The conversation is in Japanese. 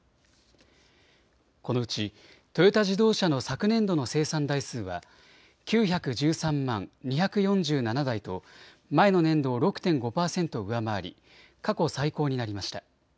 このうちトヨタ自動車の昨年度の生産台数は９１３万２４７台と前の年度を６．５％上回り過去最高になりました。